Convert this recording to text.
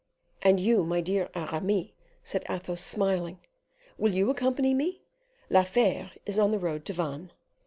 '" "And you, my dear Aramis," said Athos, smiling; "will you accompany me? La Fere is on the road to Vannes."